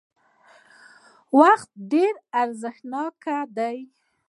وخت ډېر ارزښتناک دی